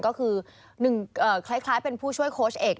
ก็คือคล้ายเป็นผู้ช่วยโค้ชเอก